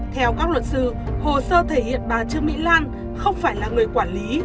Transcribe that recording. theo các luật sư hồ sơ thể hiện bà trương mỹ lan không phải là người quản lý